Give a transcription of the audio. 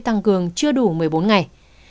tương đương tăng cường chưa đủ một mươi bốn ngày